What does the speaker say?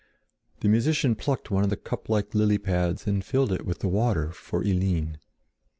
The musician plucked one of the cup like lily pads and filled it with the water for Eline.